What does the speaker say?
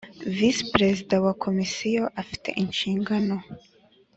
Visi Perezida wa Komisiyo afite inshingano